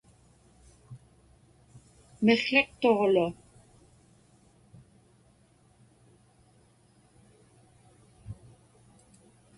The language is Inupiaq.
miqłiqtuġlu